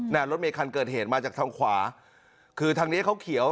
รถเมฆคันเกิดเหตุมาจากทางขวาคือทางเนี้ยเขาเขียว